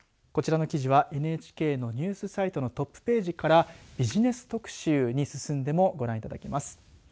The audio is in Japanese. こちらの記事はＮＨＫのニュースサイトのトップページからビジネス特集に進んでもご覧いただけます。